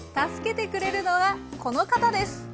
助けてくれるのはこの方です。